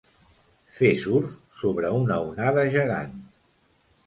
Fer surf sobre una onada gegant.